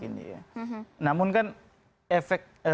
namun kan efek